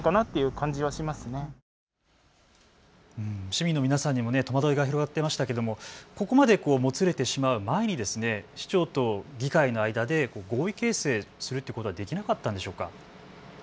市民の皆さんにも戸惑いが広がっていましたけれどもここまで、もつれてしまう前に市長と議会の間で合意形成することはできなかったんでしょうか。